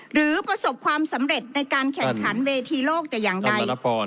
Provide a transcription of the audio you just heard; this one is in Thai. หรือประสบความสำเร็จในการแข่งขันเวทีโลกแต่อย่างใด